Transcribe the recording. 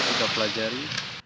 munisinya pun kita pelajari